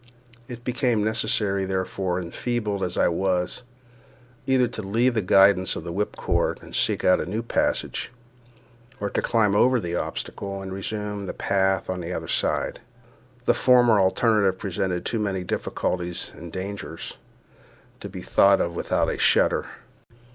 It became necessary, therefore, enfeebled as I was, either to leave the guidance of the whipcord and seek out a new passage, or to climb over the obstacle, and resume the path on the other side. The former alternative presented too many difficulties and dangers to be thought of without a shudder.